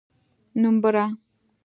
نومبره!